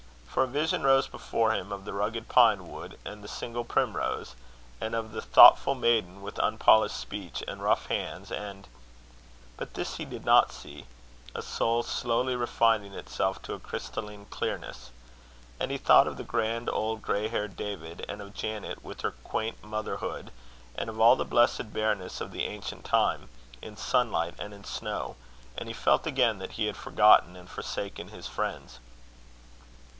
For a vision rose before him of the rugged pine wood and the single primrose; and of the thoughtful maiden, with unpolished speech and rough hands, and but this he did not see a soul slowly refining itself to a crystalline clearness. And he thought of the grand old grey haired David, and of Janet with her quaint motherhood, and of all the blessed bareness of the ancient time in sunlight and in snow; and he felt again that he had forgotten and forsaken his friends.